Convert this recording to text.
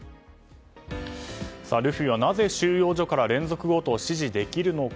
ルフィはなぜ収容所から連続強盗を指示できるのか